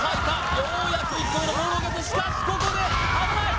ようやく１個目のボールをゲットしたここで危ない！